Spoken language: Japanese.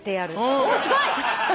おっすごい！